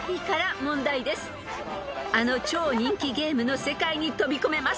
［あの超人気ゲームの世界に飛び込めます］